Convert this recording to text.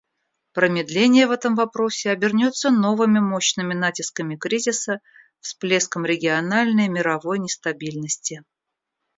Промедление в этом вопросе обернется новыми мощными натисками кризиса, всплеском региональной и мировой нестабильности.